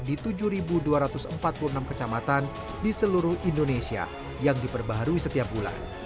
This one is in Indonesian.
di tujuh dua ratus empat puluh enam kecamatan di seluruh indonesia yang diperbaharui setiap bulan